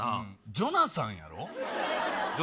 ジョナサンやろ。